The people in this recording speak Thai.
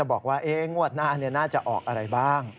แล้วบอกว่าเอ๊ะแงว่ะงวดหน้าน่าจะออกอะไรบ้าง